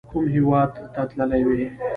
کوم هیواد ته تللي وئ؟